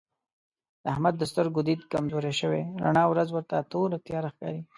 د احمد د سترګو دید کمزوری شوی رڼا ورځ ورته توره تیاره ښکارېږي.